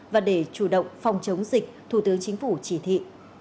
và để chủ động phòng chống dịch thủ tướng chính phủ chỉ thị